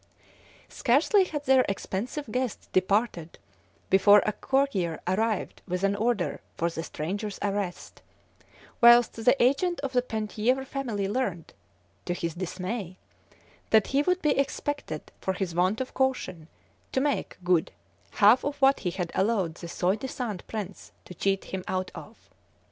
Scarcely had their expensive guest departed before a courier arrived with an order for the stranger's arrest, whilst the agent of the Penthièvre family learnt, to his dismay, that he would be expected, for his want of caution, to make good half of what he had allowed the soi disant prince to cheat him out of.